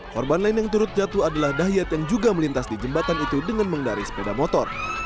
korban lain yang turut jatuh adalah dahyat yang juga melintas di jembatan itu dengan mengendari sepeda motor